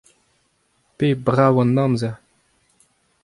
p'eo brav an amzer.